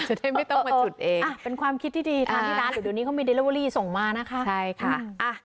เจ้าให้ไม่ต้องมาจุดเองอ่ะเป็นความคิดที่ดีทานที่ร้านแต่เดี๋ยวนี้เขามีส่งมานะคะใช่ค่ะอ่า